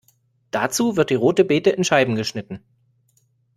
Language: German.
Dazu wird die Rote Bete in Scheiben geschnitten.